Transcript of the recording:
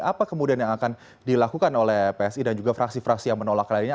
apa kemudian yang akan dilakukan oleh psi dan juga fraksi fraksi yang menolak lainnya